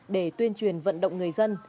để tuyên truyền vận động người dân